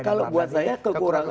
kalau buat saya kekurangan